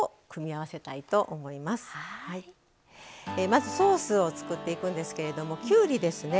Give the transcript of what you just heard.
まずソースを作っていくんですけれどもきゅうりですね。